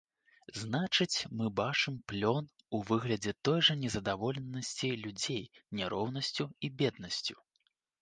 Значыць, мы бачым плён у выглядзе той жа незадаволенасці людзей няроўнасцю і беднасцю.